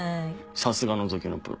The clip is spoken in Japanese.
さすが覗きのプロ。